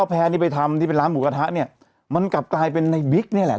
แพ้นี่ไปทำที่เป็นร้านหมูกระทะเนี่ยมันกลับกลายเป็นในบิ๊กนี่แหละ